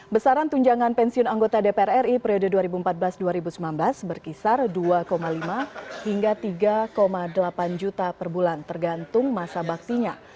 besaran tunjangan pensiun anggota dpr ri periode dua ribu empat belas dua ribu sembilan belas berkisar dua lima hingga tiga delapan juta per bulan tergantung masa baktinya